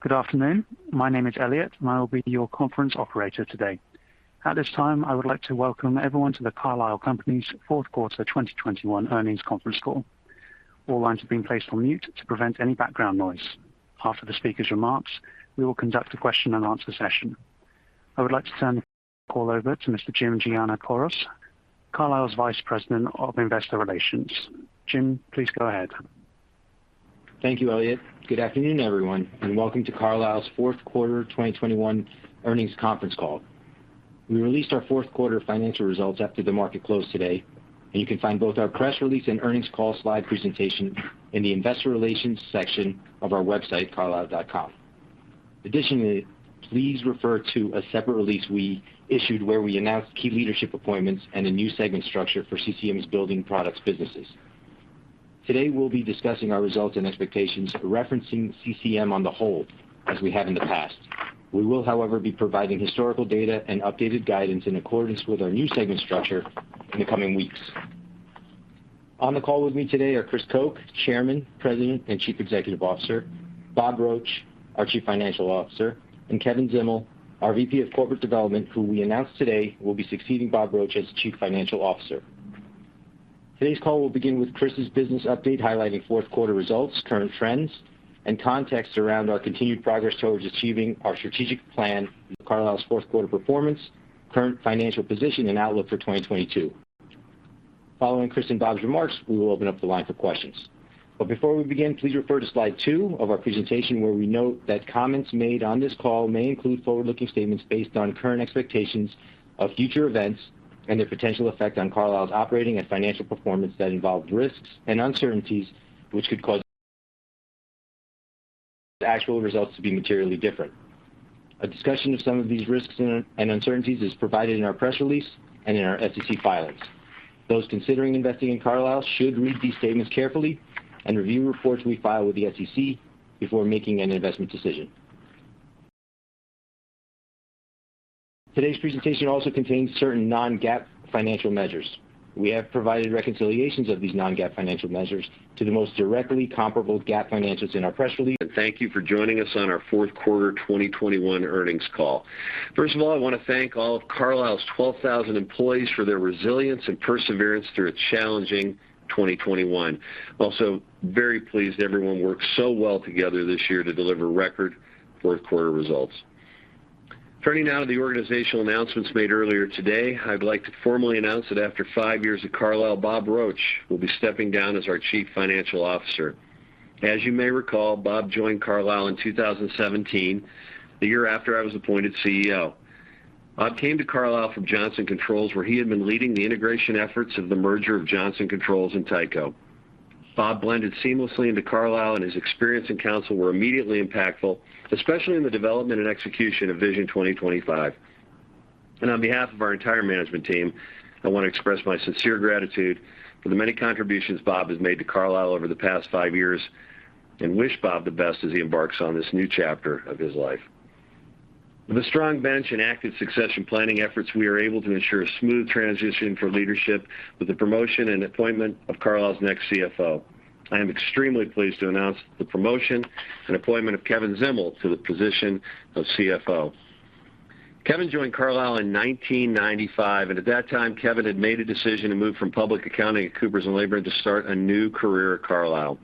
Good afternoon. My name is Elliott, and I will be your conference operator today. At this time, I would like to welcome everyone to the Carlisle Companies Fourth Quarter 2021 Earnings Conference Call. All lines have been placed on mute to prevent any background noise. After the speaker's remarks, we will conduct a question-and-answer session. I would like to turn the call over to Mr. Jim Giannakouros, Carlisle's Vice President of Investor Relations. Jim, please go ahead. Thank you, Elliot. Good afternoon, everyone, and welcome to Carlisle's fourth quarter 2021 earnings conference call. We released our fourth quarter financial results after the market closed today, and you can find both our press release and earnings call slide presentation in the investor relations section of our website, carlisle.com. Additionally, please refer to a separate release we issued where we announced key leadership appointments and a new segment structure for CCM's Building Products businesses. Today, we'll be discussing our results and expectations, referencing CCM on the whole, as we have in the past. We will, however, be providing historical data and updated guidance in accordance with our new segment structure in the coming weeks. On the call with me today are Chris Koch, Chairman, President, and Chief Executive Officer, Bob Roche, our Chief Financial Officer, and Kevin Zdimal, our VP of Corporate Development, who we announced today will be succeeding Bob Roche as Chief Financial Officer. Today's call will begin with Chris's business update highlighting fourth quarter results, current trends, and context around our continued progress towards achieving our strategic plan, Carlisle's fourth quarter performance, current financial position, and outlook for 2022. Following Chris and Bob's remarks, we will open up the line for questions. Before we begin, please refer to slide 2 of our presentation where we note that comments made on this call may include forward-looking statements based on current expectations of future events and their potential effect on Carlisle's operating and financial performance that involve risks and uncertainties which could cause actual results to be materially different. A discussion of some of these risks and uncertainties is provided in our press release and in our SEC filings. Those considering investing in Carlisle should read these statements carefully and review reports we file with the SEC before making an investment decision. Today's presentation also contains certain non-GAAP financial measures. We have provided reconciliations of these non-GAAP financial measures to the most directly comparable GAAP financials in our press release. Thank you for joining us on our fourth quarter 2021 earnings call. First of all, I wanna thank all of Carlisle's 12,000 employees for their resilience and perseverance through a challenging 2021. Also, very pleased everyone worked so well together this year to deliver record fourth quarter results. Turning now to the organizational announcements made earlier today, I'd like to formally announce that after five years at Carlisle, Bob Roche will be stepping down as our Chief Financial Officer. As you may recall, Bob joined Carlisle in 2017, the year after I was appointed CEO. Bob came to Carlisle from Johnson Controls, where he had been leading the integration efforts of the merger of Johnson Controls and Tyco. Bob blended seamlessly into Carlisle, and his experience and counsel were immediately impactful, especially in the development and execution of Vision 2025. On behalf of our entire management team, I wanna express my sincere gratitude for the many contributions Bob has made to Carlisle over the past five years and wish Bob the best as he embarks on this new chapter of his life. With a strong bench and active succession planning efforts, we are able to ensure a smooth transition for leadership with the promotion and appointment of Carlisle's next CFO. I am extremely pleased to announce the promotion and appointment of Kevin Zdimal to the position of CFO. Kevin joined Carlisle in 1995, and at that time, Kevin had made a decision to move from public accounting at Coopers & Lybrand to start a new career at Carlisle.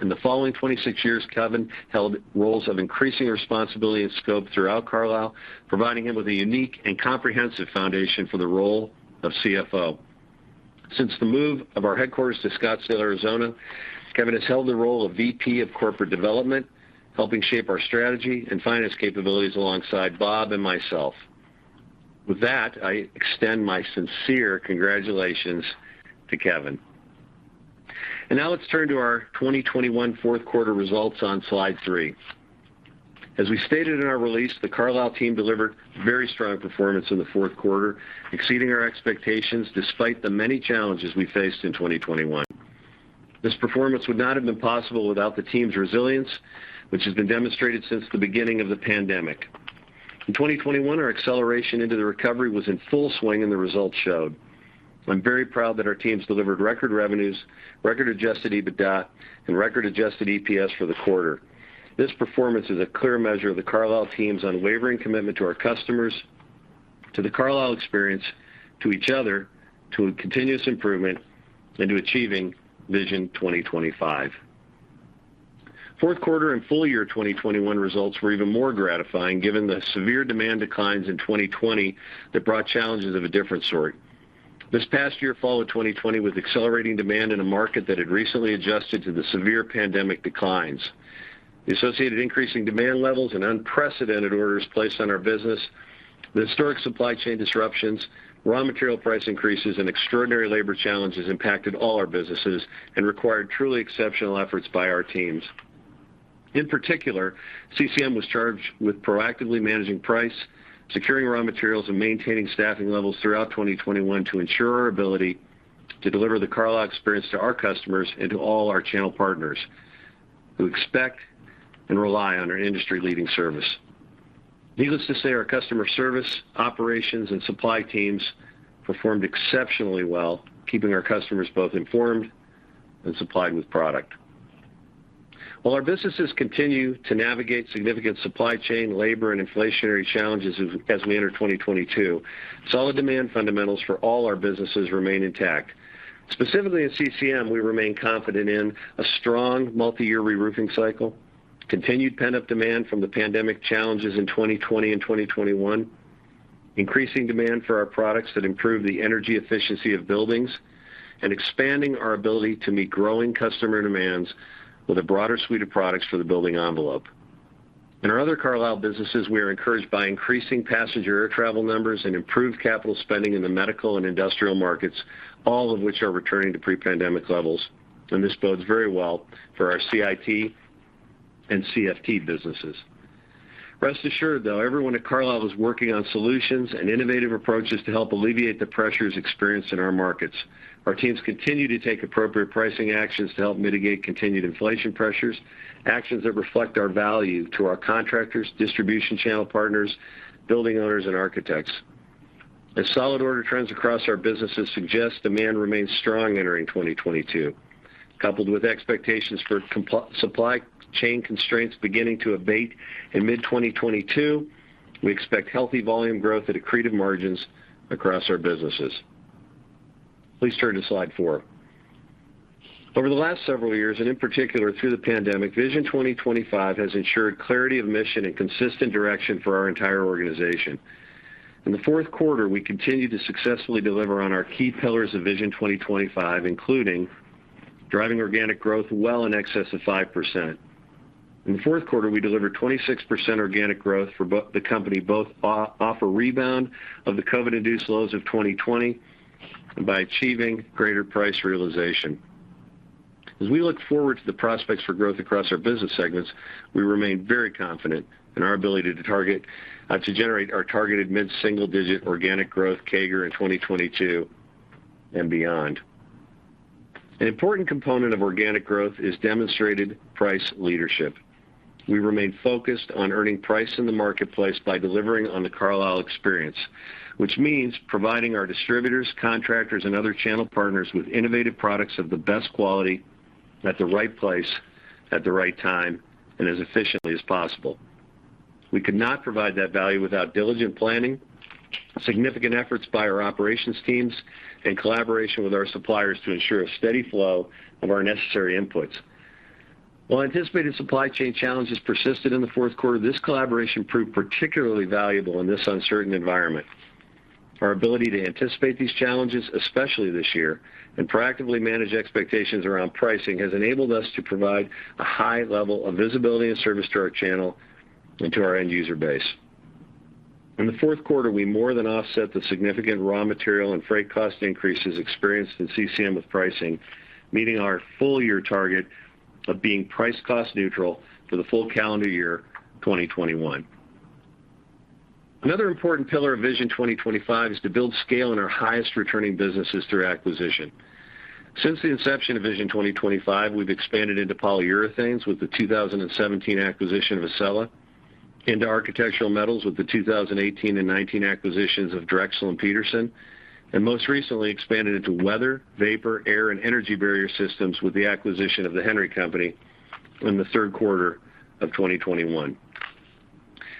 In the following 26 years, Kevin held roles of increasing responsibility and scope throughout Carlisle, providing him with a unique and comprehensive foundation for the role of CFO. Since the move of our headquarters to Scottsdale, Arizona, Kevin has held the role of VP of Corporate Development, helping shape our strategy and finance capabilities alongside Bob and myself. With that, I extend my sincere congratulations to Kevin. Now let's turn to our 2021 fourth quarter results on slide three. As we stated in our release, the Carlisle team delivered very strong performance in the fourth quarter, exceeding our expectations despite the many challenges we faced in 2021. This performance would not have been possible without the team's resilience, which has been demonstrated since the beginning of the pandemic. In 2021, our acceleration into the recovery was in full swing, and the results showed. I'm very proud that our teams delivered record revenues, record adjusted EBITDA, and record adjusted EPS for the quarter. This performance is a clear measure of the Carlisle team's unwavering commitment to our customers, to the Carlisle experience, to each other, to a continuous improvement, and to achieving Vision 2025. Fourth quarter and full year 2021 results were even more gratifying given the severe demand declines in 2020 that brought challenges of a different sort. This past year followed 2020 with accelerating demand in a market that had recently adjusted to the severe pandemic declines. The associated increasing demand levels and unprecedented orders placed on our business, the historic supply chain disruptions, raw material price increases, and extraordinary labor challenges impacted all our businesses and required truly exceptional efforts by our teams. In particular, CCM was charged with proactively managing price, securing raw materials, and maintaining staffing levels throughout 2021 to ensure our ability to deliver the Carlisle experience to our customers and to all our channel partners who expect and rely on our industry-leading service. Needless to say, our customer service, operations, and supply teams performed exceptionally well, keeping our customers both informed and supplied with product. While our businesses continue to navigate significant supply chain, labor, and inflationary challenges as we enter 2022, solid demand fundamentals for all our businesses remain intact. Specifically in CCM, we remain confident in a strong multiyear reroofing cycle, continued pent-up demand from the pandemic challenges in 2020 and 2021, increasing demand for our products that improve the energy efficiency of buildings, and expanding our ability to meet growing customer demands with a broader suite of products for the building envelope. In our other Carlisle businesses, we are encouraged by increasing passenger air travel numbers and improved capital spending in the medical and industrial markets, all of which are returning to pre-pandemic levels, and this bodes very well for our CIT and CFT businesses. Rest assured, though, everyone at Carlisle is working on solutions and innovative approaches to help alleviate the pressures experienced in our markets. Our teams continue to take appropriate pricing actions to help mitigate continued inflation pressures, actions that reflect our value to our contractors, distribution channel partners, building owners, and architects. As solid order trends across our businesses suggest, demand remains strong entering 2022. Coupled with expectations for supply chain constraints beginning to abate in mid-2022, we expect healthy volume growth at accretive margins across our businesses. Please turn to slide four. Over the last several years, and in particular through the pandemic, Vision 2025 has ensured clarity of mission and consistent direction for our entire organization. In the fourth quarter, we continued to successfully deliver on our key pillars of Vision 2025, including driving organic growth well in excess of 5%. In the fourth quarter, we delivered 26% organic growth for the company, both off a rebound of the COVID-induced lows of 2020 and by achieving greater price realization. As we look forward to the prospects for growth across our business segments, we remain very confident in our ability to target to generate our targeted mid-single digit organic growth CAGR in 2022 and beyond. An important component of organic growth is demonstrated price leadership. We remain focused on earning price in the marketplace by delivering on the Carlisle experience, which means providing our distributors, contractors, and other channel partners with innovative products of the best quality at the right place, at the right time, and as efficiently as possible. We could not provide that value without diligent planning, significant efforts by our operations teams, and collaboration with our suppliers to ensure a steady flow of our necessary inputs. While anticipated supply chain challenges persisted in the fourth quarter, this collaboration proved particularly valuable in this uncertain environment. Our ability to anticipate these challenges, especially this year, and proactively manage expectations around pricing has enabled us to provide a high level of visibility and service to our channel and to our end user base. In the fourth quarter, we more than offset the significant raw material and freight cost increases experienced in CCM with pricing, meeting our full year target of being price-cost neutral for the full calendar year, 2021. Another important pillar of Vision 2025 is to build scale in our highest returning businesses through acquisition. Since the inception of Vision 2025, we've expanded into polyurethanes with the 2017 acquisition of Accella, into architectural metals with the 2018 and 2019 acquisitions of Drexel and Petersen, and most recently expanded into weather, vapor, air, and energy barrier systems with the acquisition of the Henry Company in the third quarter of 2021.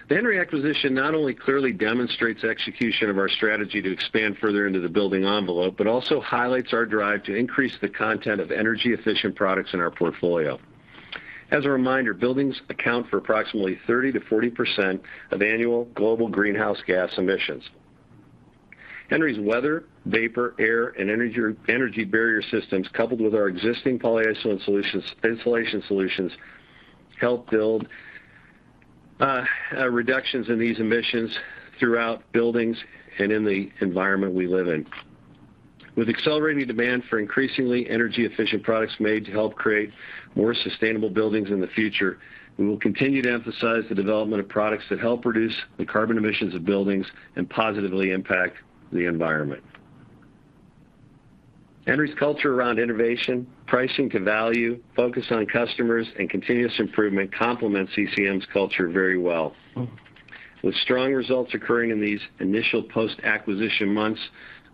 The Henry acquisition not only clearly demonstrates execution of our strategy to expand further into the building envelope, but also highlights our drive to increase the content of energy-efficient products in our portfolio. As a reminder, buildings account for approximately 30%-40% of annual global greenhouse gas emissions. Henry's weather, vapor, air, and energy barrier systems, coupled with our existing polyiso and insulation solutions, help build reductions in these emissions throughout buildings and in the environment we live in. With accelerating demand for increasingly energy-efficient products made to help create more sustainable buildings in the future, we will continue to emphasize the development of products that help reduce the carbon emissions of buildings and positively impact the environment. Henry's culture around innovation, pricing to value, focus on customers, and continuous improvement complement CCM's culture very well. With strong results occurring in these initial post-acquisition months,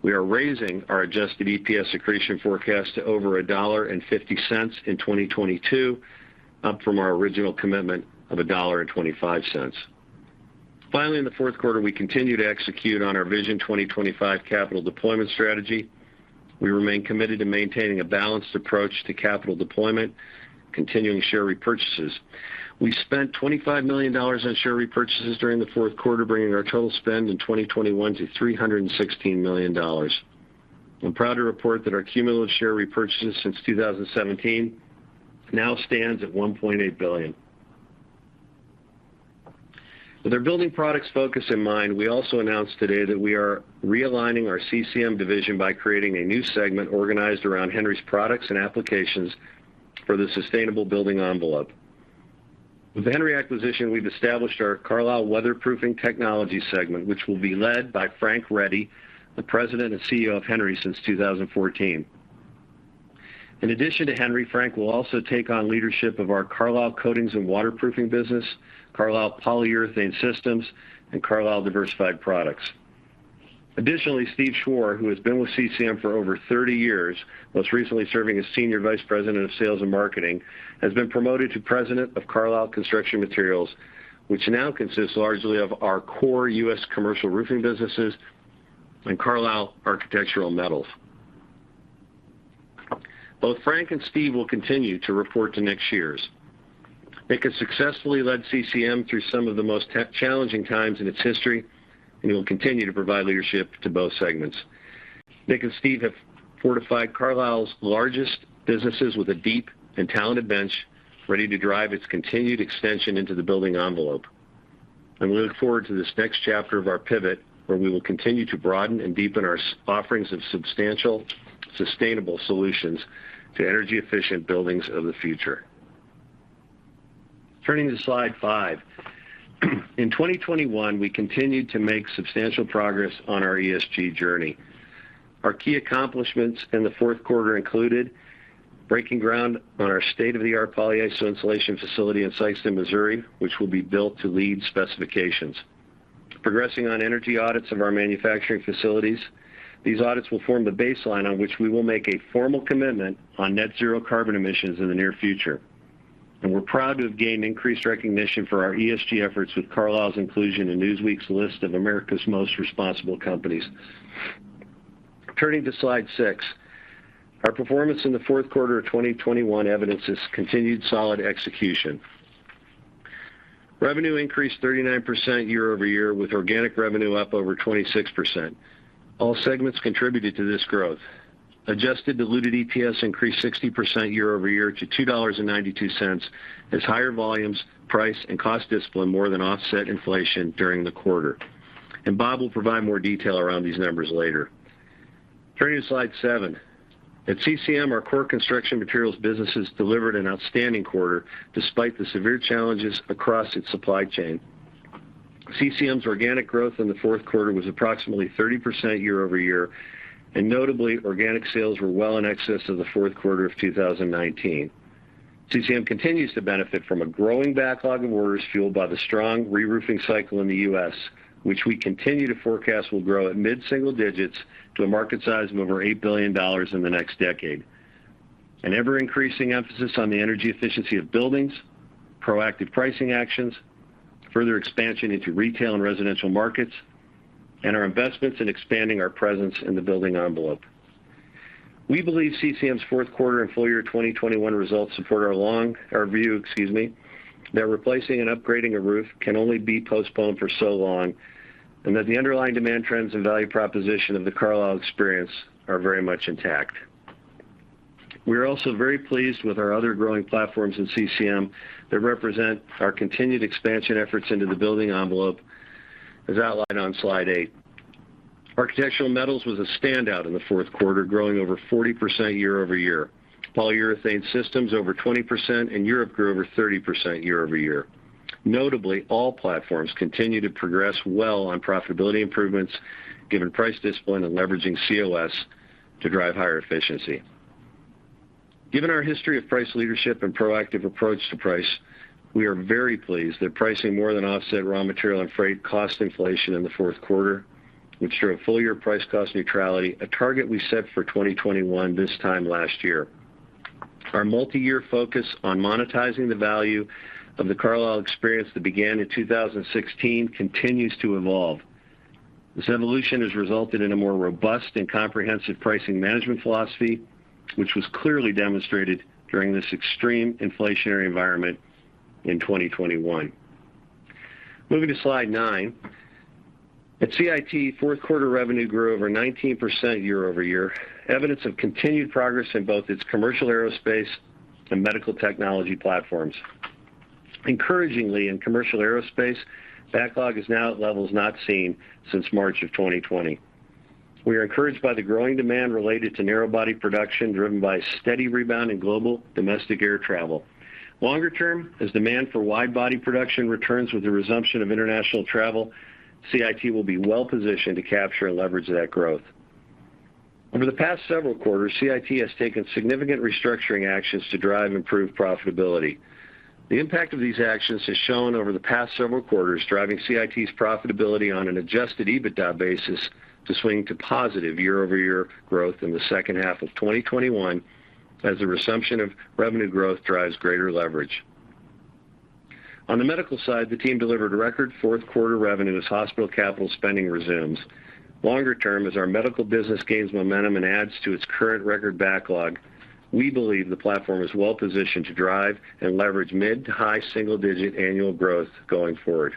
we are raising our adjusted EPS accretion forecast to over $1.50 in 2022, up from our original commitment of $1.25. Finally, in the fourth quarter, we continued to execute on our Vision 2025 capital deployment strategy. We remain committed to maintaining a balanced approach to capital deployment, continuing share repurchases. We spent $25 million on share repurchases during the fourth quarter, bringing our total spend in 2021 to $316 million. I'm proud to report that our cumulative share repurchases since 2017 now stands at $1.8 billion. With our building products focus in mind, we also announced today that we are realigning our CCM division by creating a new segment organized around Henry's products and applications for the sustainable building envelope. With the Henry acquisition, we've established our Carlisle Weatherproofing Technologies segment, which will be led by Frank Ready, the President and CEO of Henry since 2014. In addition to Henry, Frank will also take on leadership of our Carlisle Coatings & Waterproofing business, Carlisle Polyurethane Systems, and Carlisle Diversified Products. Additionally, Steve Schwar, who has been with CCM for over 30 years, most recently serving as Senior Vice President of Sales and Marketing, has been promoted to President of Carlisle Construction Materials, which now consists largely of our core U.S. commercial roofing businesses and Carlisle Architectural Metals. Both Frank and Steve will continue to report to Nick Shears. Nick has successfully led CCM through some of the most challenging times in its history, and he will continue to provide leadership to both segments. Nick and Steve have fortified Carlisle's largest businesses with a deep and talented bench ready to drive its continued extension into the building envelope. We look forward to this next chapter of our pivot, where we will continue to broaden and deepen our offerings of substantial sustainable solutions to energy-efficient buildings of the future. Turning to slide five. In 2021, we continued to make substantial progress on our ESG journey. Our key accomplishments in the fourth quarter included breaking ground on our state-of-the-art polyiso insulation facility in Sikeston, Missouri, which will be built to LEED specifications, and progressing on energy audits of our manufacturing facilities. These audits will form the baseline on which we will make a formal commitment on net zero carbon emissions in the near future. We're proud to have gained increased recognition for our ESG efforts with Carlisle's inclusion in Newsweek's list of America's most responsible companies. Turning to slide 6. Our performance in the fourth quarter of 2021 evidences continued solid execution. Revenue increased 39% year-over-year, with organic revenue up over 26%. All segments contributed to this growth. Adjusted diluted EPS increased 60% year-over-year to $2.92 as higher volumes, price, and cost discipline more than offset inflation during the quarter. Bob will provide more detail around these numbers later. Turning to slide seven. At CCM, our core construction materials businesses delivered an outstanding quarter despite the severe challenges across its supply chain. CCM's organic growth in the fourth quarter was approximately 30% year-over-year, and notably, organic sales were well in excess of the fourth quarter of 2019. CCM continues to benefit from a growing backlog of orders fueled by the strong reroofing cycle in the U.S., which we continue to forecast will grow at mid-single digits to a market size of over $8 billion in the next decade, an ever-increasing emphasis on the energy efficiency of buildings, proactive pricing actions, further expansion into retail and residential markets, and our investments in expanding our presence in the building envelope. We believe CCM's fourth quarter and full year 2021 results support our view, excuse me, that replacing and upgrading a roof can only be postponed for so long, and that the underlying demand trends and value proposition of the Carlisle experience are very much intact. We are also very pleased with our other growing platforms in CCM that represent our continued expansion efforts into the building envelope as outlined on slide eight. Architectural Metals was a standout in the fourth quarter, growing over 40% year-over-year. Polyurethane systems over 20%, and Europe grew over 30% year-over-year. Notably, all platforms continue to progress well on profitability improvements given price discipline and leveraging COS to drive higher efficiency. Given our history of price leadership and proactive approach to price, we are very pleased that pricing more than offset raw material and freight cost inflation in the fourth quarter, which drove full-year price-cost neutrality, a target we set for 2021 this time last year. Our multi-year focus on monetizing the value of the Carlisle experience that began in 2016 continues to evolve. This evolution has resulted in a more robust and comprehensive pricing management philosophy, which was clearly demonstrated during this extreme inflationary environment in 2021. Moving to slide nine. At CIT, fourth quarter revenue grew over 19% year-over-year, evidence of continued progress in both its commercial aerospace and medical technology platforms. Encouragingly, in commercial aerospace, backlog is now at levels not seen since March of 2020. We are encouraged by the growing demand related to narrow body production driven by steady rebound in global domestic air travel. Longer term, as demand for wide body production returns with the resumption of international travel, CIT will be well positioned to capture and leverage that growth. Over the past several quarters, CIT has taken significant restructuring actions to drive improved profitability. The impact of these actions has shown over the past several quarters, driving CIT's profitability on an adjusted EBITDA basis to swing to positive year-over-year growth in the second half of 2021 as the resumption of revenue growth drives greater leverage. On the medical side, the team delivered record fourth quarter revenue as hospital capital spending resumes. Longer term, as our medical business gains momentum and adds to its current record backlog, we believe the platform is well positioned to drive and leverage mid- to high-single-digit annual growth going forward.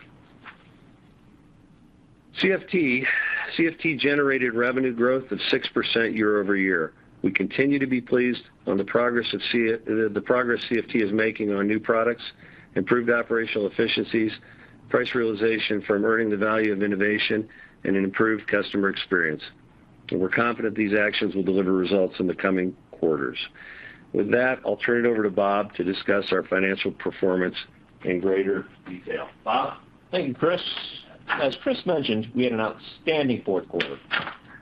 CFT generated revenue growth of 6% year-over-year. We continue to be pleased on the progress CFT is making on new products, improved operational efficiencies, price realization from earning the value of innovation and an improved customer experience. We're confident these actions will deliver results in the coming quarters. With that, I'll turn it over to Bob to discuss our financial performance in greater detail. Bob? Thank you, Chris. As Chris mentioned, we had an outstanding fourth quarter.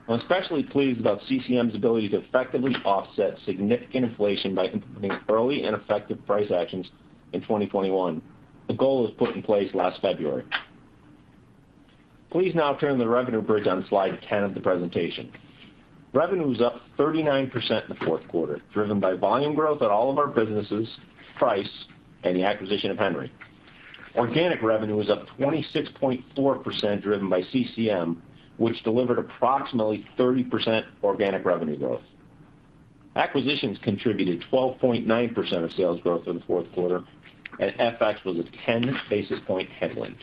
I'm especially pleased about CCM's ability to effectively offset significant inflation by implementing early and effective price actions in 2021. The goal was put in place last February. Please now turn to the revenue bridge on slide ten of the presentation. Revenue was up 39% in the fourth quarter, driven by volume growth at all of our businesses, price, and the acquisition of Henry. Organic revenue was up 26.4%, driven by CCM, which delivered approximately 30% organic revenue growth. Acquisitions contributed 12.9% of sales growth in the fourth quarter, and FX was a ten basis point headwind.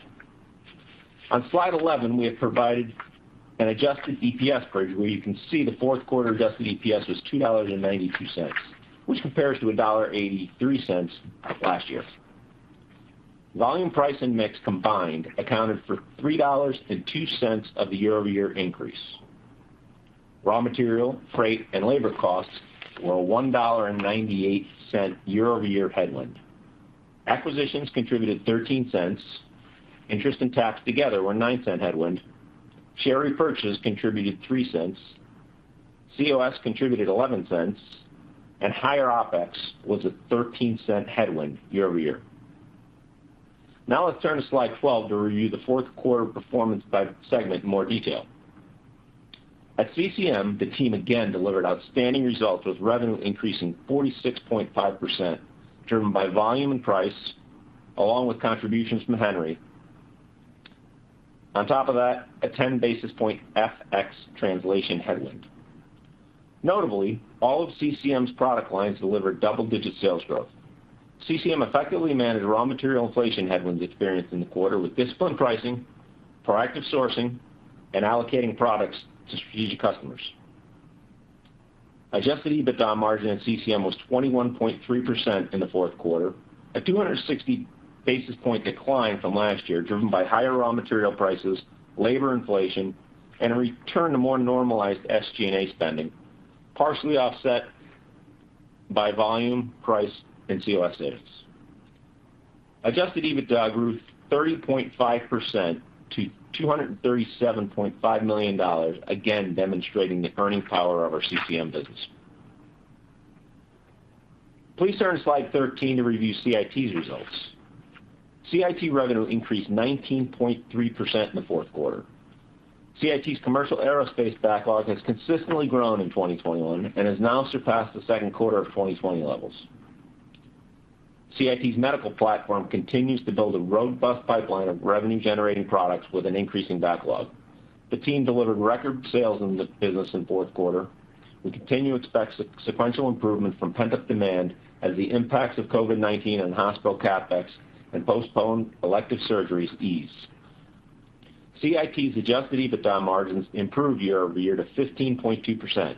On slide eleven, we have provided an adjusted EPS bridge, where you can see the fourth quarter adjusted EPS was $2.92, which compares to $1.83 last year. Volume, price, and mix combined accounted for $3.02 of the year-over-year increase. Raw material, freight, and labor costs were a $1.98 year-over-year headwind. Acquisitions contributed $0.13. Interest and tax together were a $0.09 headwind. Share repurchases contributed $0.03. COS contributed $0.11. Higher OPEX was a $0.13 headwind year over year. Now let's turn to slide 12 to review the fourth quarter performance by segment in more detail. At CCM, the team again delivered outstanding results, with revenue increasing 46.5%, driven by volume and price along with contributions from Henry. On top of that, a 10 basis point FX translation headwind. Notably, all of CCM's product lines delivered double-digit sales growth. CCM effectively managed raw material inflation headwinds experienced in the quarter with disciplined pricing, proactive sourcing, and allocating products to strategic customers. Adjusted EBITDA margin at CCM was 21.3% in the fourth quarter, a 260 basis point decline from last year, driven by higher raw material prices, labor inflation, and a return to more normalized SG&A spending, partially offset by volume, price, and COS savings. Adjusted EBITDA grew 30.5% to $237.5 million, again demonstrating the earning power of our CCM business. Please turn to slide 13 to review CIT's results. CIT revenue increased 19.3% in the fourth quarter. CIT's commercial aerospace backlog has consistently grown in 2021 and has now surpassed the second quarter of 2020 levels. CIT's medical platform continues to build a robust pipeline of revenue-generating products with an increasing backlog. The team delivered record sales in the business in the fourth quarter and continue to expect sequential improvement from pent-up demand as the impacts of COVID-19 on hospital CapEx and postponed elective surgeries ease. CIT's adjusted EBITDA margins improved year-over-year to 15.2%,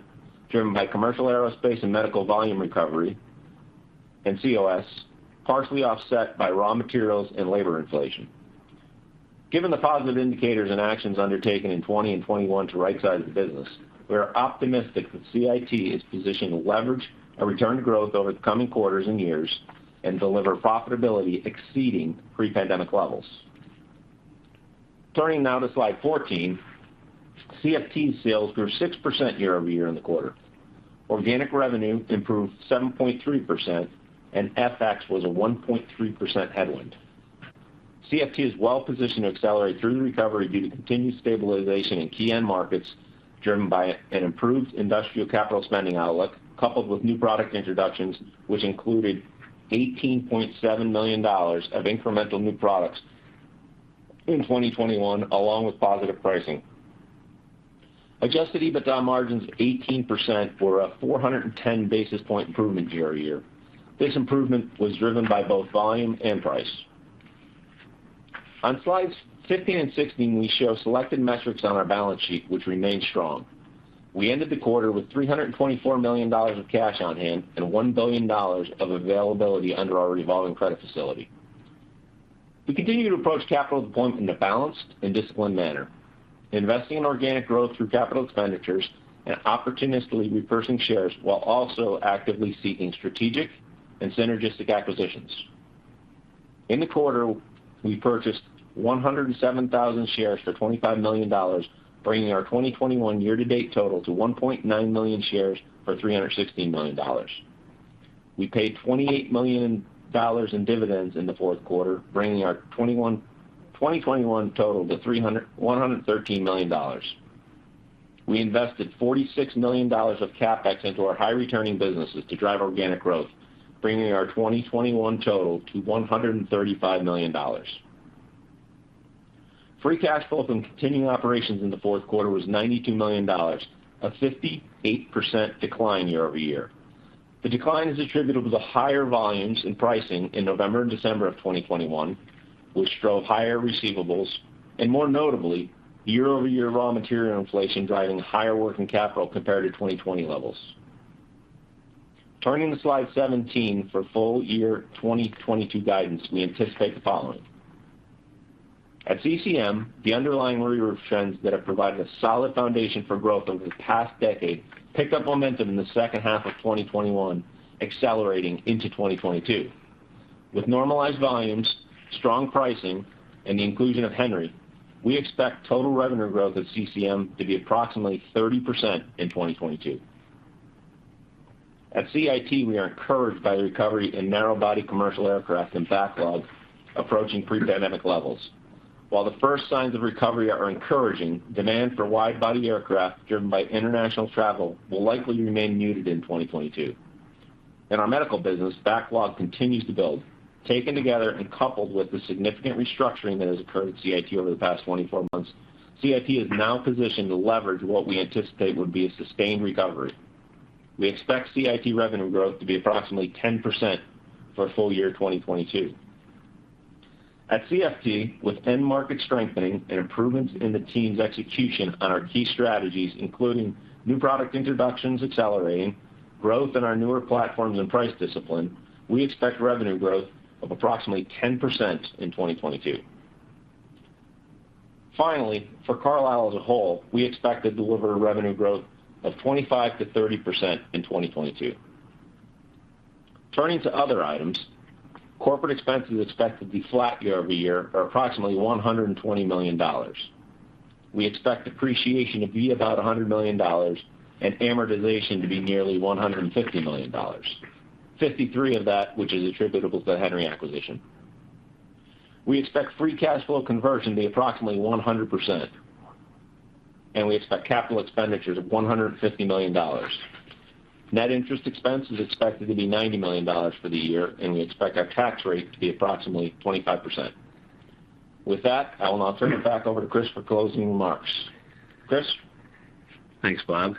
driven by commercial aerospace and medical volume recovery and COS, partially offset by raw materials and labor inflation. Given the positive indicators and actions undertaken in 2020 and 2021 to right-size the business, we are optimistic that CIT is positioned to leverage a return to growth over the coming quarters and years and deliver profitability exceeding pre-pandemic levels. Turning now to slide 14, CFT's sales grew 6% year-over-year in the quarter. Organic revenue improved 7.3%, and FX was a 1.3% headwind. CFT is well positioned to accelerate through the recovery due to continued stabilization in key end markets, driven by an improved industrial capital spending outlook, coupled with new product introductions, which included $18.7 million of incremental new products in 2021, along with positive pricing. Adjusted EBITDA margins of 18% were a 410 basis point improvement year-over-year. This improvement was driven by both volume and price. On slides 15 and 16, we show selected metrics on our balance sheet, which remain strong. We ended the quarter with $324 million of cash on hand and $1 billion of availability under our revolving credit facility. We continue to approach capital deployment in a balanced and disciplined manner, investing in organic growth through capital expenditures and opportunistically repurchasing shares while also actively seeking strategic and synergistic acquisitions. In the quarter, we purchased 107,000 shares for $25 million, bringing our 2021 year-to-date total to 1.9 million shares for $316 million. We paid $28 million in dividends in the fourth quarter, bringing our 2021 total to $113 million. We invested $46 million of CapEx into our high-returning businesses to drive organic growth, bringing our 2021 total to $135 million. Free cash flow from continuing operations in the fourth quarter was $92 million, a 58% decline year-over-year. The decline is attributable to higher volumes and pricing in November and December of 2021, which drove higher receivables, and more notably, year-over-year raw material inflation driving higher working capital compared to 2020 levels. Turning to slide seventeen for full year 2022 guidance, we anticipate the following. At CCM, the underlying upward trends that have provided a solid foundation for growth over the past decade picked up momentum in the second half of 2021, accelerating into 2022. With normalized volumes, strong pricing, and the inclusion of Henry, we expect total revenue growth at CCM to be approximately 30% in 2022. At CIT, we are encouraged by the recovery in narrow-body commercial aircraft and backlog approaching pre-pandemic levels. While the first signs of recovery are encouraging, demand for wide-body aircraft driven by international travel will likely remain muted in 2022. In our medical business, backlog continues to build. Taken together and coupled with the significant restructuring that has occurred at CIT over the past 24 months, CIT is now positioned to leverage what we anticipate would be a sustained recovery. We expect CIT revenue growth to be approximately 10% for full year 2022. At CFT, with end market strengthening and improvements in the team's execution on our key strategies, including new product introductions accelerating, growth in our newer platforms and price discipline, we expect revenue growth of approximately 10% in 2022. Finally, for Carlisle as a whole, we expect to deliver revenue growth of 25%-30% in 2022. Turning to other items, corporate expenses expect to be flat year-over-year or approximately $120 million. We expect depreciation to be about $100 million and amortization to be nearly $150 million, $53 million of that which is attributable to the Henry acquisition. We expect free cash flow conversion to be approximately 100%, and we expect capital expenditures of $150 million. Net interest expense is expected to be $90 million for the year, and we expect our tax rate to be approximately 25%. With that, I will now turn it back over to Chris for closing remarks. Chris? Thanks, Bob.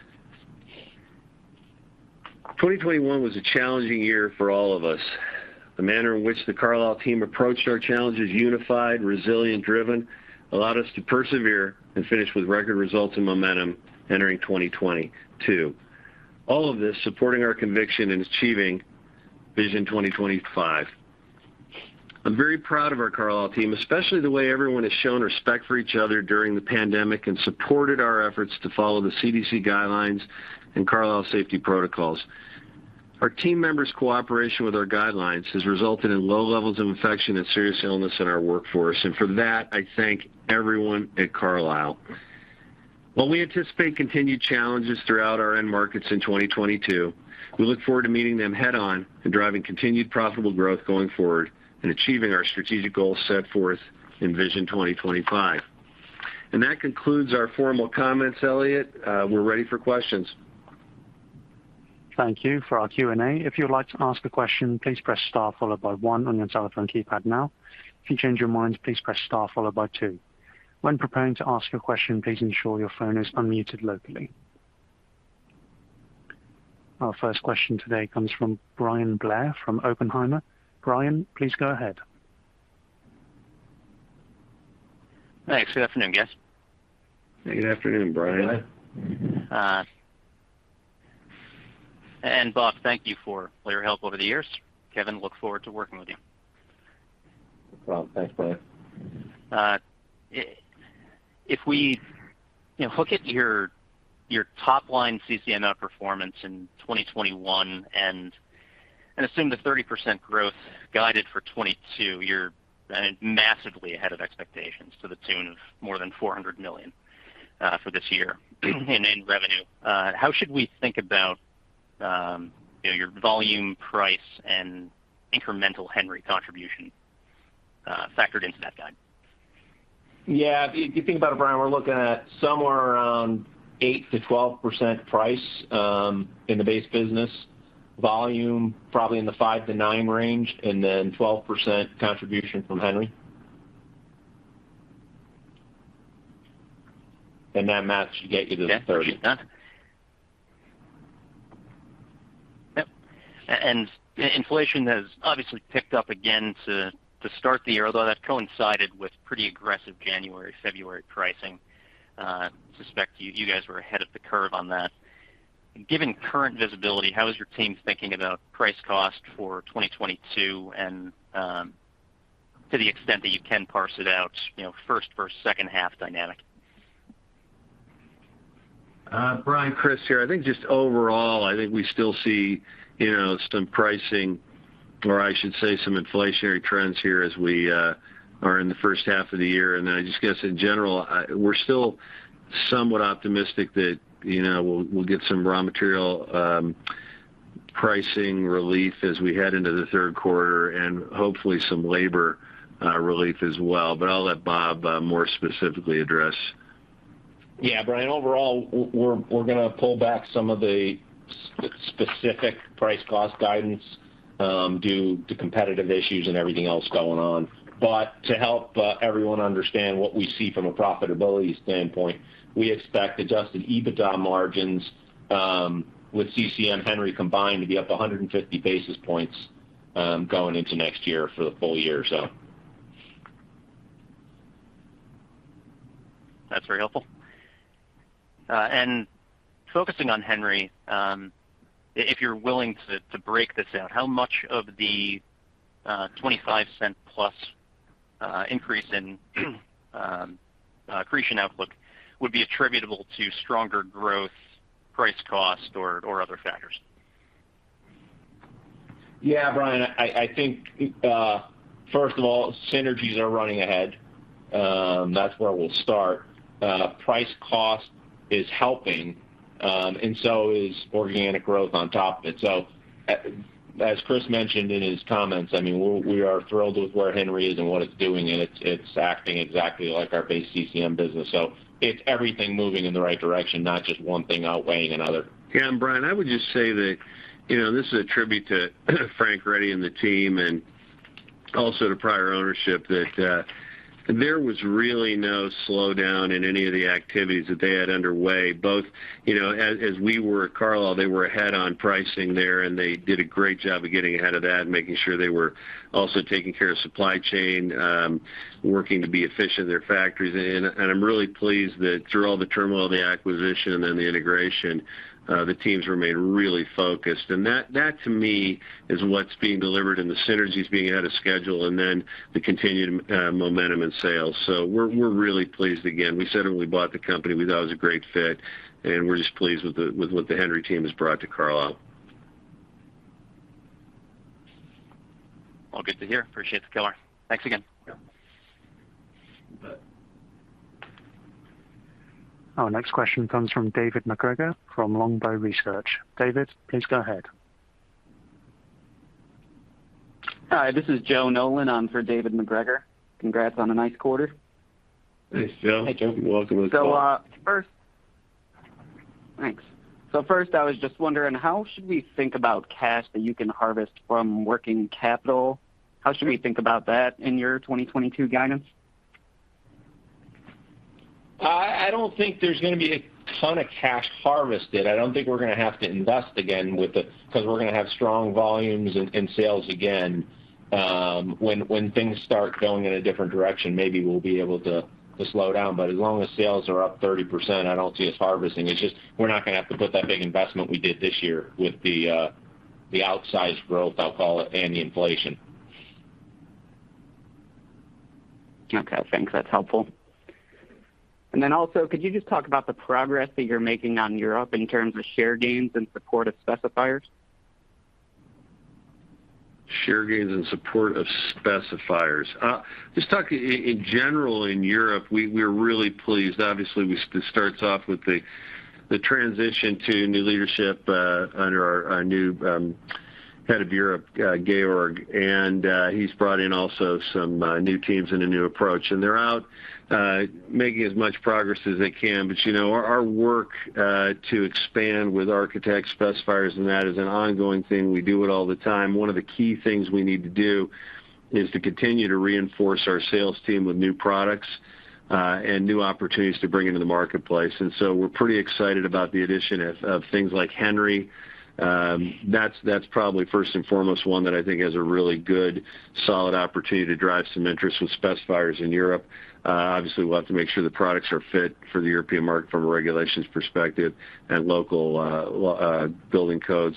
2021 was a challenging year for all of us. The manner in which the Carlisle team approached our challenges, unified, resilient, driven, allowed us to persevere and finish with record results and momentum entering 2022. All of this supporting our conviction in achieving Vision 2025. I'm very proud of our Carlisle team, especially the way everyone has shown respect for each other during the pandemic and supported our efforts to follow the CDC guidelines and Carlisle safety protocols. Our team members' cooperation with our guidelines has resulted in low levels of infection and serious illness in our workforce. For that, I thank everyone at Carlisle. While we anticipate continued challenges throughout our end markets in 2022, we look forward to meeting them head on and driving continued profitable growth going forward and achieving our strategic goals set forth in Vision 2025. That concludes our formal comments, Elliot. We're ready for questions. Thank you. For our Q&A, if you'd like to ask a question, please press star followed by one on your telephone keypad now. If you change your mind, please press star followed by two. When preparing to ask a question, please ensure your phone is unmuted locally. Our first question today comes from Bryan Blair from Oppenheimer. Bryan, please go ahead. Thanks. Good afternoon, guys. Good afternoon, Bryan. Good afternoon. Bob Roche, thank you for all your help over the years. Kevin Zdimal, I look forward to working with you. Well, thanks, Bryan. If we, you know, look at your top-line CCM performance in 2021 and assume the 30% growth guided for 2022, you're, I think, massively ahead of expectations to the tune of more than $400 million for this year in revenue. How should we think about, you know, your volume, price, and incremental Henry contribution factored into that guide? Yeah. If you think about it, Bryan, we're looking at somewhere around 8%-12% price in the base business. Volume, probably in the five-nnine range, and then 12% contribution from Henry. That math should get you to the 30%. Yeah. Should do that. Yep. Inflation has obviously picked up again to start the year, although that coincided with pretty aggressive January, February pricing. Suspect you guys were ahead of the curve on that. Given current visibility, how is your team thinking about price cost for 2022? To the extent that you can parse it out, you know, first versus second half dynamic. Brian, Chris here. I think just overall we still see, you know, some pricing or I should say some inflationary trends here as we are in the first half of the year. Then I just guess in general we're still somewhat optimistic that, you know, we'll get some raw material pricing relief as we head into the third quarter and hopefully some labor relief as well. But I'll let Bob more specifically address. Yeah. Bryan, overall, we're gonna pull back some of the specific price cost guidance due to competitive issues and everything else going on. To help everyone understand what we see from a profitability standpoint, we expect adjusted EBITDA margins with CCM Henry combined to be up 100 basis points going into next year for the full year, so. That's very helpful. Focusing on Henry, if you're willing to break this out, how much of the $0.25+ Increase in accretion outlook would be attributable to stronger growth, price cost or other factors. Yeah, Bryan, I think first of all, synergies are running ahead. That's where we'll start. Price cost is helping, and so is organic growth on top of it. As Chris mentioned in his comments, I mean, we are thrilled with where Henry is and what it's doing, and it's acting exactly like our base CCM business. It's everything moving in the right direction, not just one thing outweighing another. Yeah, Bryan, I would just say that, you know, this is a tribute to Frank Ready and the team and also the prior ownership that there was really no slowdown in any of the activities that they had underway, both, you know, as we were Carlisle, they were ahead on pricing there, and they did a great job of getting ahead of that and making sure they were also taking care of supply chain, working to be efficient in their factories. I'm really pleased that through all the turmoil of the acquisition and then the integration, the teams remained really focused. That to me is what's being delivered and the synergies being ahead of schedule and then the continued momentum in sales. We're really pleased again. We said when we bought the company we thought it was a great fit, and we're just pleased with what the Henry team has brought to Carlisle. All good to hear. Appreciate the color. Thanks again. Yeah. Bye. Our next question comes from David MacGregor from Longbow Research. David, please go ahead. Hi, this is Joe Nolan on for David MacGregor. Congrats on a nice quarter. Thanks, Joe. Thanks, Joe. Welcome to the call. First, thanks. I was just wondering how should we think about cash that you can harvest from working capital? How should we think about that in your 2022 guidance? I don't think there's gonna be a ton of cash harvested. I don't think we're gonna have to invest again with the 'cause we're gonna have strong volumes and sales again. When things start going in a different direction, maybe we'll be able to slow down. As long as sales are up 30%, I don't see us harvesting. It's just we're not gonna have to put that big investment we did this year with the outsized growth, I'll call it, and the inflation. Okay. Thanks. That's helpful. Could you just talk about the progress that you're making on Europe in terms of share gains and supportive specifiers? Share gains and support of specifiers. Just talk in general in Europe, we're really pleased. Obviously, this starts off with the transition to new leadership under our new head of Europe, Georg. He's brought in also some new teams and a new approach. They're out making as much progress as they can. Our work to expand with architects, specifiers, and that is an ongoing thing. We do it all the time. One of the key things we need to do is to continue to reinforce our sales team with new products and new opportunities to bring into the marketplace. We're pretty excited about the addition of things like Henry. That's probably first and foremost one that I think has a really good, solid opportunity to drive some interest with specifiers in Europe. Obviously, we'll have to make sure the products are fit for the European market from a regulations perspective and local law, building codes.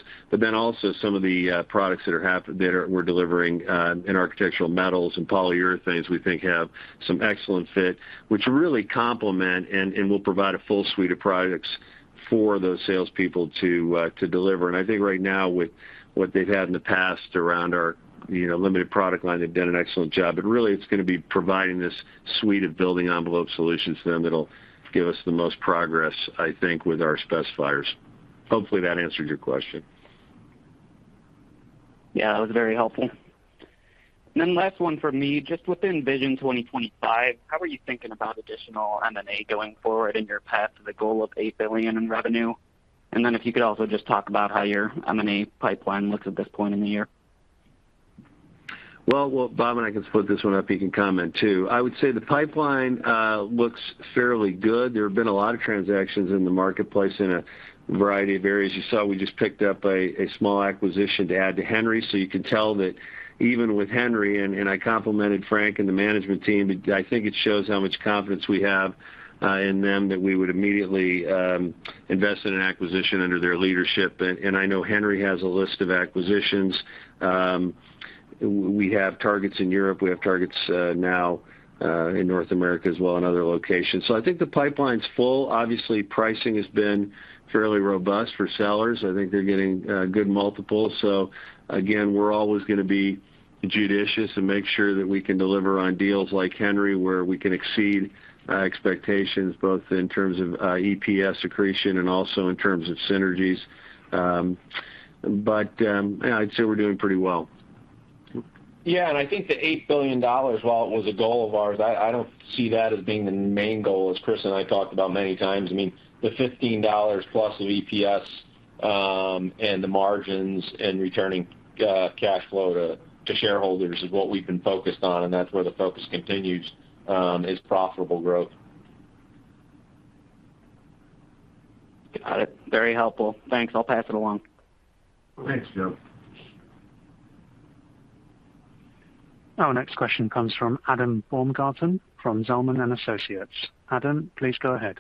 Also some of the products that we're delivering in architectural metals and polyurethanes, we think have some excellent fit, which really complement and will provide a full suite of products for those salespeople to deliver. I think right now with what they've had in the past around our, you know, limited product line, they've done an excellent job. Really it's gonna be providing this suite of building envelope solutions to them that'll give us the most progress, I think, with our specifiers. Hopefully, that answered your question. Yeah, that was very helpful. Last one for me. Just within Vision 2025, how are you thinking about additional M&A going forward in your path to the goal of $8 billion in revenue? If you could also just talk about how your M&A pipeline looks at this point in the year. Well, Bob and I can split this one up. He can comment too. I would say the pipeline looks fairly good. There have been a lot of transactions in the marketplace in a variety of areas. You saw we just picked up a small acquisition to add to Henry. You can tell that even with Henry, I complimented Frank and the management team. I think it shows how much confidence we have in them that we would immediately invest in an acquisition under their leadership. I know Henry has a list of acquisitions. We have targets in Europe. We have targets now in North America as well, and other locations. I think the pipeline's full. Obviously, pricing has been fairly robust for sellers. I think they're getting good multiples. Again, we're always gonna be judicious and make sure that we can deliver on deals like Henry, where we can exceed expectations both in terms of EPS accretion and also in terms of synergies. Yeah, I'd say we're doing pretty well. Yeah, I think the $8 billion, while it was a goal of ours, I don't see that as being the main goal, as Chris and I talked about many times. I mean, the $15+ of EPS, and the margins and returning cash flow to shareholders is what we've been focused on, and that's where the focus continues is profitable growth. Got it. Very helpful. Thanks. I'll pass it along. Thanks, Joe. Our next question comes from Adam Baumgarten from Zelman & Associates. Adam, please go ahead.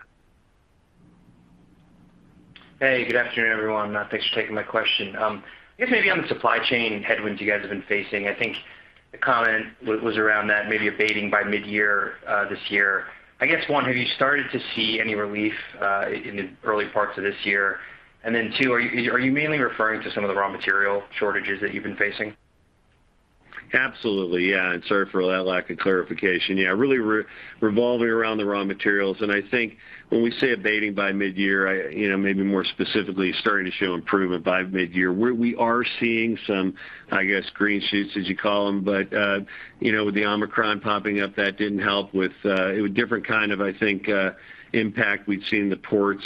Hey, good afternoon, everyone. Thanks for taking my question. I guess maybe on the supply chain headwinds you guys have been facing, I think the comment was around that maybe abating by midyear this year. I guess, one, have you started to see any relief in the early parts of this year? Two, are you mainly referring to some of the raw material shortages that you've been facing? Absolutely, yeah, sorry for that lack of clarification. Yeah, really revolving around the raw materials. I think when we say abating by midyear, I you know, maybe more specifically starting to show improvement by midyear. We are seeing some I guess green shoots, as you call them. But you know, with the Omicron popping up, that didn't help with it. It was a different kind of I think impact we'd seen in the ports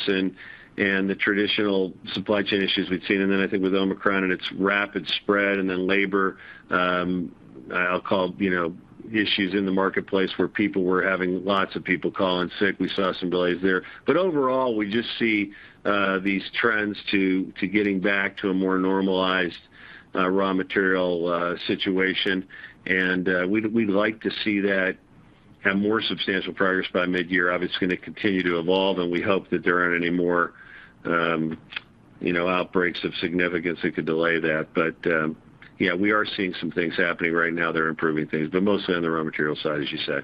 and the traditional supply chain issues we'd seen. Then I think with Omicron and its rapid spread, and then labor I'll call you know issues in the marketplace, where people were having lots of people calling in sick, we saw some delays there. Overall, we just see these trends to getting back to a more normalized raw material situation. We'd like to see that have more substantial progress by midyear. Obviously, it's gonna continue to evolve, and we hope that there aren't any more, you know, outbreaks of significance that could delay that. Yeah, we are seeing some things happening right now that are improving things, but mostly on the raw material side, as you say.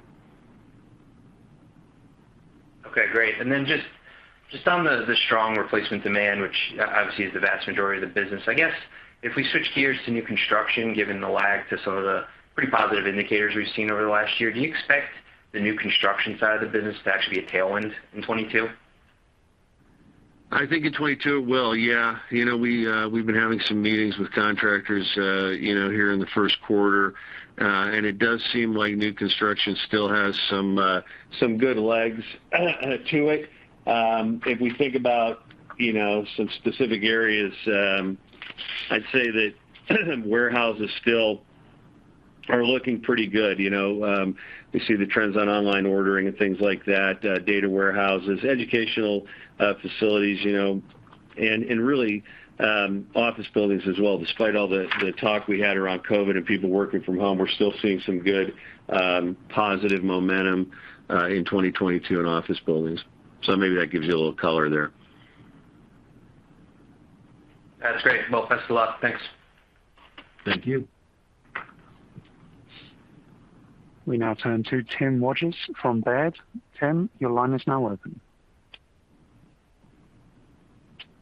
Okay, great. Then just on the strong replacement demand, which obviously is the vast majority of the business. I guess if we switch gears to new construction, given the lag to some of the pretty positive indicators we've seen over the last year, do you expect the new construction side of the business to actually be a tailwind in 2022? I think in 2022 it will, yeah. You know, we've been having some meetings with contractors, you know, here in the first quarter. It does seem like new construction still has some good legs to it. If we think about, you know, some specific areas, I'd say that warehouses still are looking pretty good, you know. We see the trends on online ordering and things like that, data warehouses, educational facilities, you know, and really office buildings as well. Despite all the talk we had around COVID and people working from home, we're still seeing some good positive momentum in 2022 in office buildings. Maybe that gives you a little color there. That's great. Well, thanks a lot. Thanks. Thank you. We now turn to Timothy Wojs from Baird. Tim, your line is now open.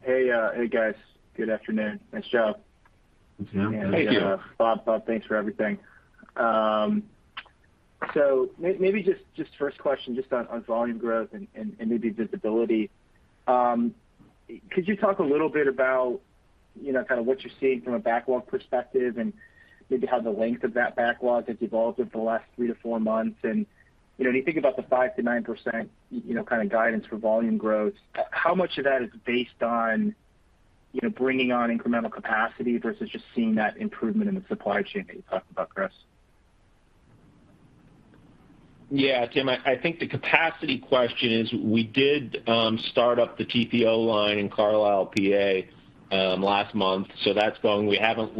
Hey. Hey, guys. Good afternoon. Nice job. Thank you. Thank you. Bob, thanks for everything. Maybe just first question just on volume growth and maybe visibility. Could you talk a little bit about, you know, kind of what you're seeing from a backlog perspective and maybe how the length of that backlog has evolved over the last three to four months? When you think about the 5%-9%, you know, kind of guidance for volume growth, how much of that is based on, you know, bringing on incremental capacity versus just seeing that improvement in the supply chain that you talked about, Chris? Yeah, Tim, I think the capacity question is we did start up the TPO line in Carlisle, PA last month, so that's going. We haven't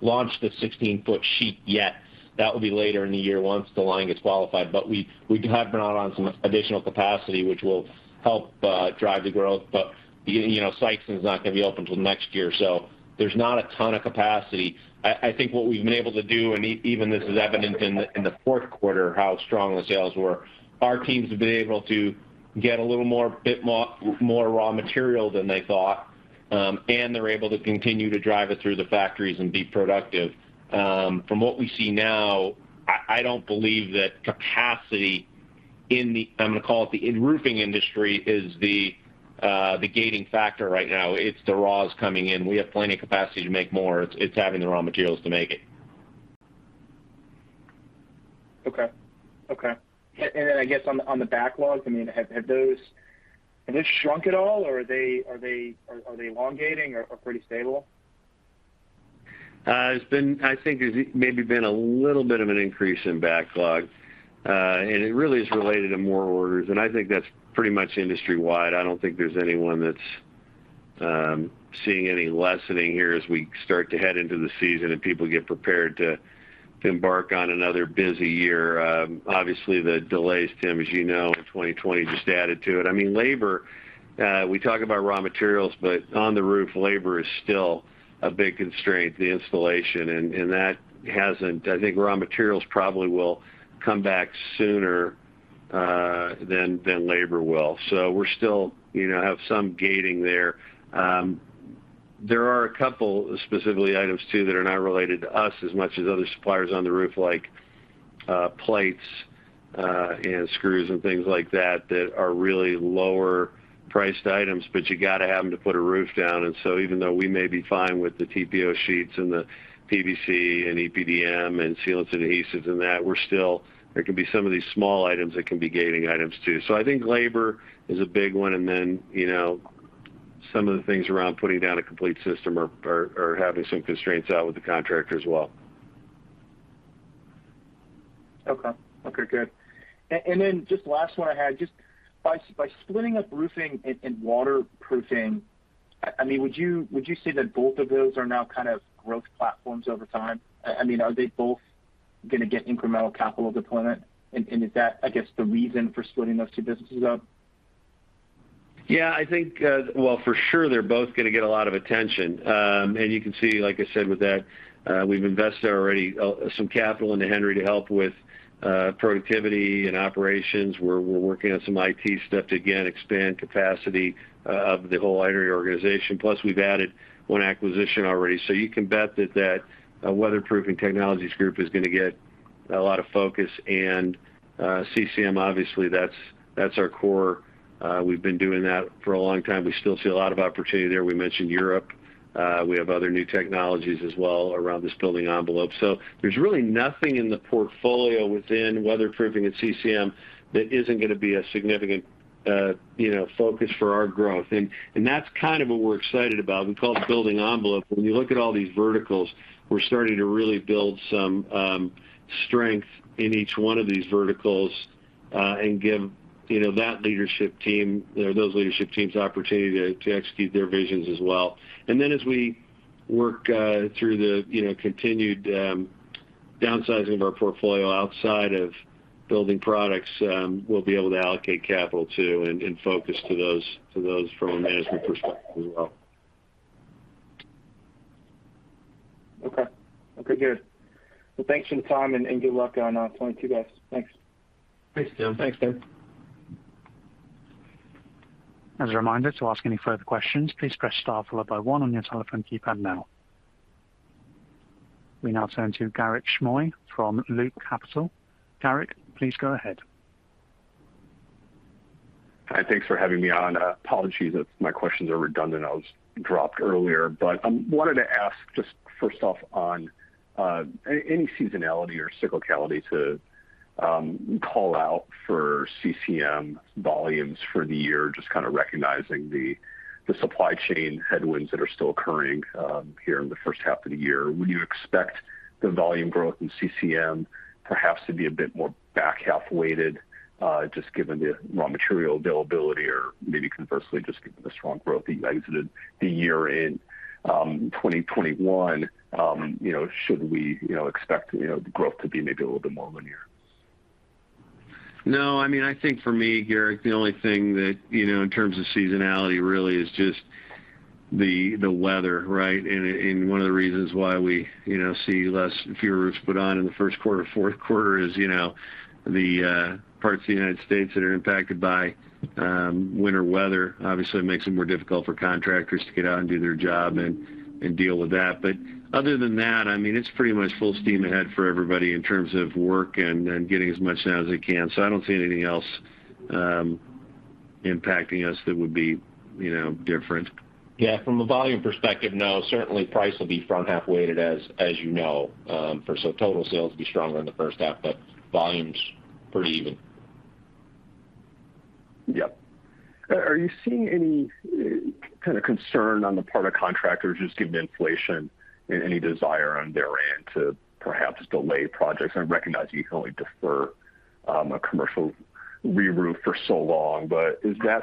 launched the 16-foot sheet yet. That will be later in the year once the line gets qualified. We have been adding some additional capacity, which will help drive the growth. You know, Sikeston’s not gonna be open till next year, so there's not a ton of capacity. I think what we've been able to do, and even this is evident in the fourth quarter, how strong the sales were, our teams have been able to get a little more raw material than they thought, and they're able to continue to drive it through the factories and be productive. From what we see now, I don't believe that capacity in the, I'm gonna call it the roofing industry is the gating factor right now. It's the raws coming in. We have plenty of capacity to make more. It's having the raw materials to make it. Okay. I guess on the backlogs, I mean, have those shrunk at all, or are they elongating or pretty stable? I think there's maybe been a little bit of an increase in backlog. It really is related to more orders, and I think that's pretty much industry-wide. I don't think there's anyone that's seeing any lessening here as we start to head into the season and people get prepared to embark on another busy year. Obviously the delays, Tim, as you know, in 2020 just added to it. I mean, labor, we talk about raw materials, but on the roof, labor is still a big constraint, the installation, and that hasn't. I think raw materials probably will come back sooner than labor will. We're still, you know, have some gating there. There are a couple specific items, too, that are not related to us as much as other suppliers on the roof like plates and screws and things like that are really lower-priced items, but you gotta have them to put a roof down. Even though we may be fine with the TPO sheets and the PVC and EPDM and sealants and adhesives and that, we're still. There can be some of these small items that can be gating items, too. I think labor is a big one, and then, you know, some of the things around putting down a complete system are having some constraints out with the contractor as well. Okay. Okay, good. Then just last one I had, just by splitting up roofing and waterproofing, I mean, would you say that both of those are now kind of growth platforms over time? I mean, are they both going to get incremental capital deployment. Is that, I guess, the reason for splitting those two businesses up? Yeah, I think, well, for sure they're both gonna get a lot of attention. You can see, like I said, with that, we've invested already, some capital into Henry to help with, productivity and operations. We're working on some IT stuff to, again, expand capacity, of the whole Henry organization. Plus, we've added one acquisition already. You can bet that Weatherproofing Technologies group is gonna get a lot of focus. CCM, obviously, that's our core. We've been doing that for a long time. We still see a lot of opportunity there. We mentioned Europe. We have other new technologies as well around this building envelope. There's really nothing in the portfolio within Weatherproofing and CCM that isn't gonna be a significant, you know, focus for our growth. That's kind of what we're excited about. We call it building envelope. When you look at all these verticals, we're starting to really build some strength in each one of these verticals and give, you know, that leadership team or those leadership teams opportunity to execute their visions as well. As we work through the, you know, continued downsizing of our portfolio outside of building products, we'll be able to allocate capital too and focus to those from a management perspective as well. Okay. Okay, good. Well, thanks for the time, and good luck on 2022, guys. Thanks. Thanks, Tim. Thanks, Tim. As a reminder, to ask any further questions, please press star followed by one on your telephone keypad now. We now turn to Garik Shmois from Loop Capital Markets. Garik, please go ahead. Hi. Thanks for having me on. Apologies if my questions are redundant. I was dropped earlier. Wanted to ask just first off on any seasonality or cyclicality to call out for CCM volumes for the year, just kind of recognizing the supply chain headwinds that are still occurring here in the first half of the year. Would you expect the volume growth in CCM perhaps to be a bit more back-half weighted, just given the raw material availability or maybe conversely just given the strong growth that you exited the year in 2021? You know, should we, you know, expect, you know, the growth to be maybe a little bit more linear? No. I mean, I think for me, Garik, the only thing that, you know, in terms of seasonality really is just the weather, right? One of the reasons why we, you know, see less and fewer roofs put on in the first quarter, fourth quarter is, you know, the parts of the U.S. that are impacted by winter weather obviously makes it more difficult for contractors to get out and do their job and deal with that. Other than that, I mean, it's pretty much full steam ahead for everybody in terms of work and getting as much done as they can. I don't see anything else impacting us that would be, you know, different. Yeah. From a volume perspective, no. Certainly price will be front-half weighted, as you know. Total sales will be stronger in the first half, but volume's pretty even. Yep. Are you seeing any kind of concern on the part of contractors just given inflation and any desire on their end to perhaps delay projects? I recognize you can only defer a commercial reroof for so long. Is that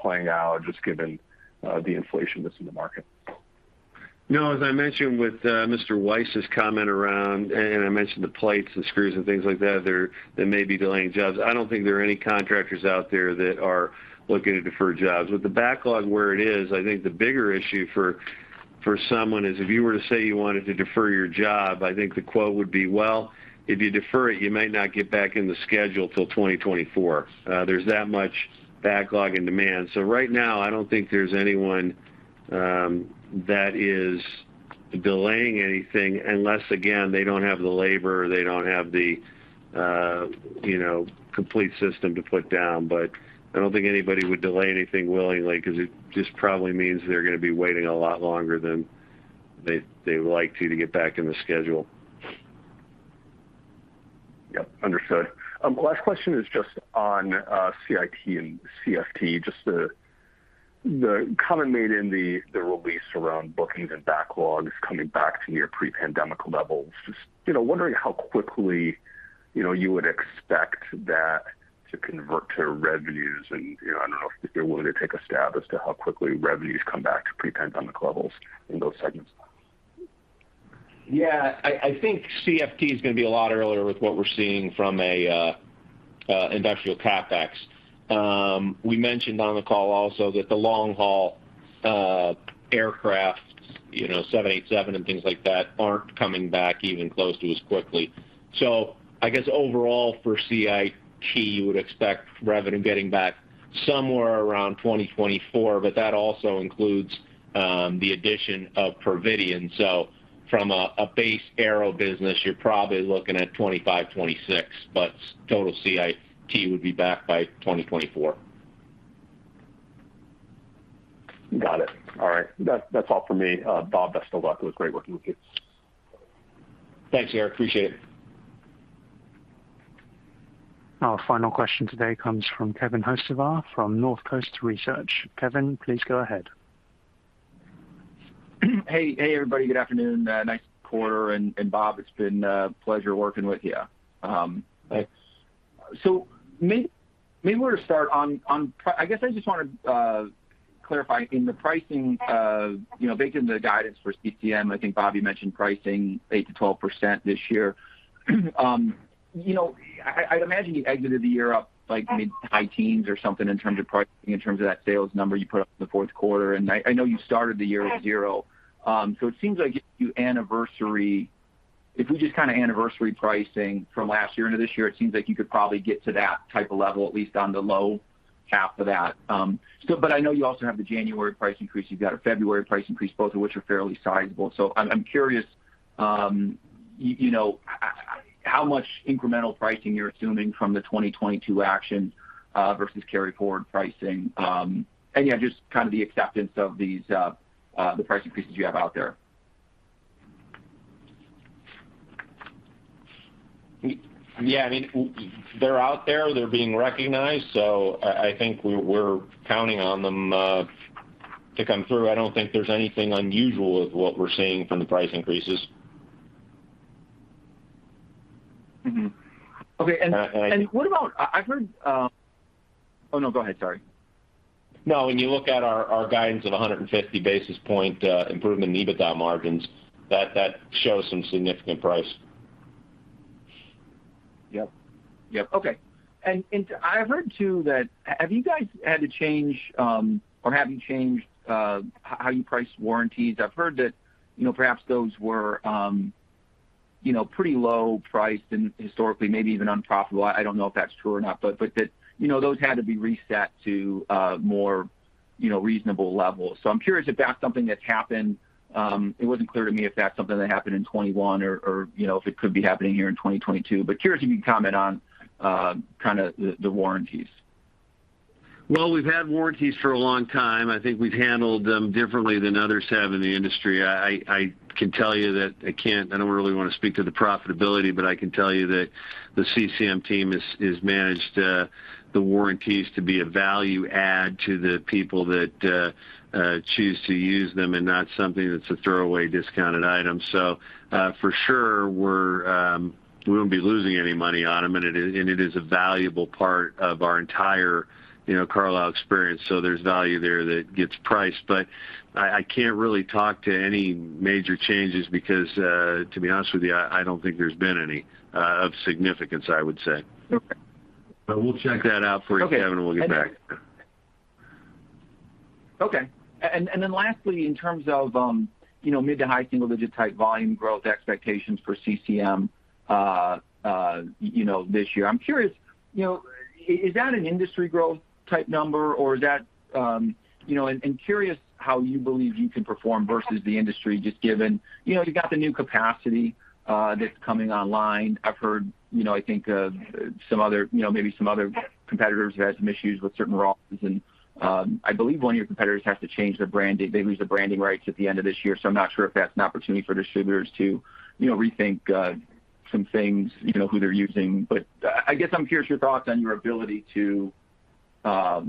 playing out just given the inflation that's in the market? No. as i mentioned with Mr. Wojs's comment around, and I mentioned the plates and screws and things like that, they may be delaying jobs. I don't think there are any contractors out there that are looking to defer jobs. With the backlog where it is, I think the bigger issue for someone is if you were to say you wanted to defer your job, I think the quote would be, "Well, if you defer it, you might not get back in the schedule till 2024." There's that much backlog and demand. Right now I don't think there's anyone that is delaying anything unless, again, they don't have the labor, they don't have the, you know, complete system to put down. I don't think anybody would delay anything willingly because it just probably means they're gonna be waiting a lot longer than they would like to get back in the schedule. Yep. Understood. Last question is just on CIT and CFT. Just the comment made in the release around bookings and backlogs coming back to near pre-pandemic levels. Just, you know, wondering how quickly, you know, you would expect that to convert to revenues. You know, I don't know if you're willing to take a stab as to how quickly revenues come back to pre-pandemic levels in those segments. Yeah. I think CFT is gonna be a lot earlier with what we're seeing from a industrial CapEx. We mentioned on the call also that the long-haul aircrafts, you know, 787 and things like that, aren't coming back even close to as quickly. I guess overall for CIT, you would expect revenue getting back somewhere around 2024, but that also includes the addition of Providien. From a base aero business, you're probably looking at 2025, 2026. Total CIT would be back by 2024. Got it. All right. That's all for me. Bob, best of luck. It was great working with you. Thanks, Garik. Appreciate it. Our final question today comes from Kevin Hocevar from Northcoast Research. Kevin, please go ahead. Hey, everybody. Good afternoon. Nice quarter. Bob, it's been a pleasure working with you. Thanks I guess I just wanna clarify in the pricing, you know, based on the guidance for CCM. I think Bob mentioned pricing 8%-12% this year. You know, I'd imagine you exited the year up like mid-high teens or something in terms of pricing, in terms of that sales number you put up in the fourth quarter. I know you started the year at zero. It seems like you anniversary. If we just kinda anniversary pricing from last year into this year, it seems like you could probably get to that type of level, at least on the low half of that. But I know you also have the January price increase, you've got a February price increase, both of which are fairly sizable. I'm curious, you know, how much incremental pricing you're assuming from the 2022 action, versus carry forward pricing. Yeah, just kind of the acceptance of these, the price increases you have out there. Yeah, I mean, they're out there, they're being recognized, so I think we're counting on them to come through. I don't think there's anything unusual with what we're seeing from the price increases. Mm-hmm. Okay. Uh, and- What about? I've heard. Oh, no, go ahead, sorry. No, when you look at our guidance of 150 basis points improvement in EBITDA margins, that shows some significant price. Yep. Okay. I've heard too that, have you guys had to change or have you changed how you price warranties? I've heard that, you know, perhaps those were, you know, pretty low priced and historically maybe even unprofitable. I don't know if that's true or not, but that, you know, those had to be reset to a more, you know, reasonable level. I'm curious if that's something that's happened. It wasn't clear to me if that's something that happened in 2021 or, you know, if it could be happening here in 2022. Curious if you can comment on kinda the warranties. Well, we've had warranties for a long time. I think we've handled them differently than others have in the industry. I can tell you that I don't really wanna speak to the profitability, but I can tell you that the CCM team has managed the warranties to be a value add to the people that choose to use them and not something that's a throwaway discounted item. For sure, we wouldn't be losing any money on them, and it is a valuable part of our entire, you know, Carlisle experience, so there's value there that gets priced. But I can't really talk to any major changes because, to be honest with you, I don't think there's been any of significance, I would say. Okay. We'll check that out for you, Kevin. Okay. We'll get back. Okay. Lastly, in terms of, you know, mid- to high-single-digit type volume growth expectations for CCM, you know, this year. I'm curious, you know, is that an industry growth type number or is that, you know, curious how you believe you can perform versus the industry just given you know, you've got the new capacity that's coming online. I've heard, you know, I think some other, you know, maybe some other competitors have had some issues with certain raw materials. I believe one of your competitors has to change their brand. They lose the branding rights at the end of this year, so I'm not sure if that's an opportunity for distributors to, you know, rethink some things, you know, who they're using. I guess I'm curious your thoughts on your ability to, how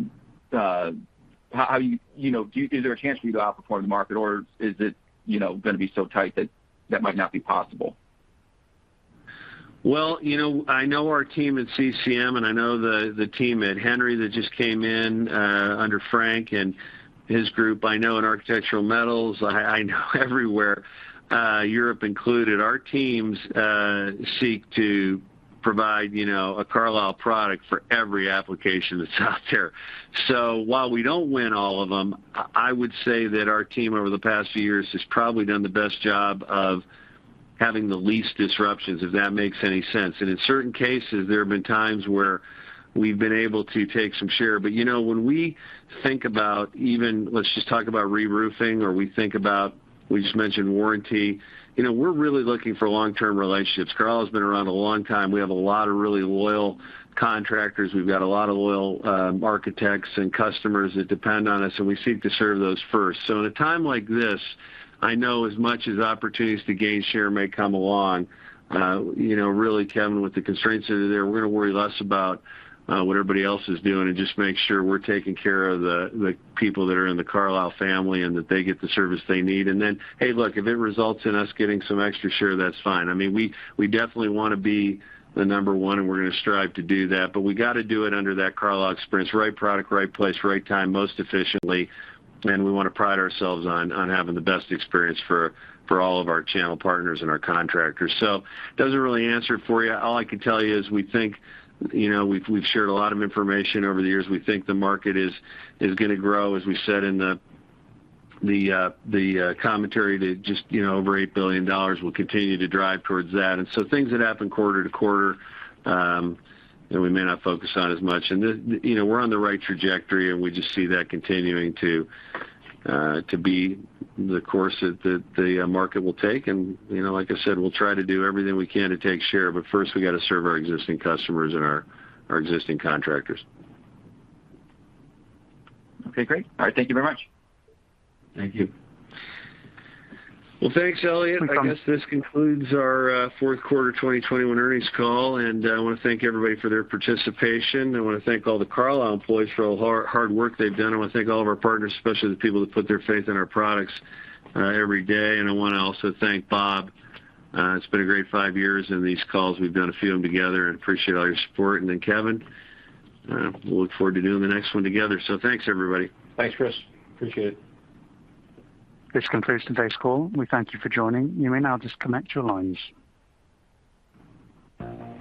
you know, is there a chance for you to outperform the market or is it, you know, gonna be so tight that that might not be possible? Well, you know, I know our team at CCM, and I know the team at Henry that just came in under Frank and his group. I know in Architectural Metals. I know everywhere, Europe included. Our teams seek to provide, you know, a Carlisle product for every application that's out there. So while we don't win all of them, I would say that our team over the past few years has probably done the best job of having the least disruptions, if that makes any sense. In certain cases, there have been times where we've been able to take some share. You know, when we think about even let's just talk about reroofing or we think about, we just mentioned warranty, you know, we're really looking for long-term relationships. Carlisle has been around a long time. We have a lot of really loyal contractors. We've got a lot of loyal architects and customers that depend on us, and we seek to serve those first. In a time like this, I know as much as opportunities to gain share may come along, you know, really, Kevin, with the constraints that are there, we're gonna worry less about what everybody else is doing and just make sure we're taking care of the people that are in the Carlisle family and that they get the service they need. Hey, look, if it results in us getting some extra share, that's fine. I mean, we definitely wanna be the number one, and we're gonna strive to do that. We gotta do it under that Carlisle experience, right product, right place, right time, most efficiently. We wanna pride ourselves on having the best experience for all of our channel partners and our contractors. Doesn't really answer it for you. All I can tell you is we think, you know, we've shared a lot of information over the years. We think the market is gonna grow, as we said in the commentary to just, you know, over $8 billion. We'll continue to drive towards that. Things that happen quarter to quarter, and we may not focus on as much. You know, we're on the right trajectory, and we just see that continuing to be the course that the market will take. You know, like I said, we'll try to do everything we can to take share, but first we gotta serve our existing customers and our existing contractors. Okay, great. All right. Thank you very much. Thank you. Well, thanks, Elliot. Thanks, Tom. I guess this concludes our fourth quarter 2021 earnings call. I wanna thank everybody for their participation. I wanna thank all the Carlisle employees for all the hard work they've done. I wanna thank all of our partners, especially the people that put their faith in our products every day. I wanna also thank Bob. It's been a great five years in these calls. We've done a few of them together, and appreciate all your support. Then Kevin, we'll look forward to doing the next one together. Thanks, everybody. Thanks, Chris. Appreciate it. This concludes today's call. We thank you for joining. You may now disconnect your lines.